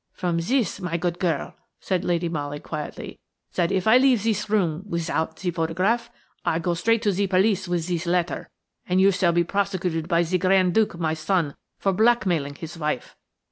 "From zis, my good girl," said Lady Molly, quietly; "that if I leave zis room wizout ze photograph, I go straight to ze police with zis letter, and you shall be prosecuted by ze Grand Duke, my son, for blackmailing his wife.